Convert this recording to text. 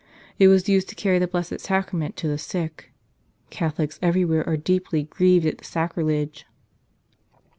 It was used to carry the Blessed Sacrament to the sick. Catholics everywhere are deeply grieved at the sacrilege.